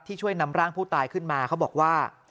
ช่วยนำร่างผู้ตายขึ้นมาเขาบอกว่า